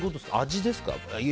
味ですか？